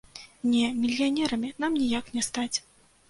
Не, мільянерамі нам ніяк не стаць!